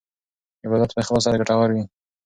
عبادت په اخلاص سره ګټور وي.